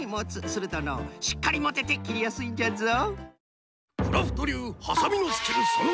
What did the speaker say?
するとのうしっかりもてて切りやすいんじゃぞ。